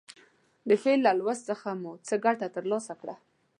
د فعل له لوست څخه مو څه ګټه تر لاسه کړه.